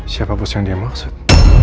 siapa bos yang dia maksud